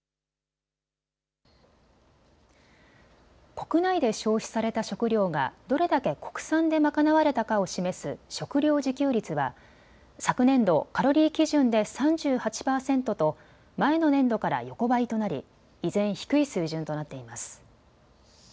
国内で消費された食料がどれだけ国産で賄われたかを示す食料自給率は昨年度、カロリー基準で３８％と前の年度から横ばいとなり依然、低い水準となっています。